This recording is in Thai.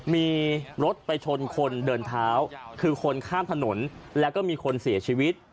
มีรถไปชนคนเดินเท้าคือคนข้ามถนนแล้วก็มีคนเสียชีวิต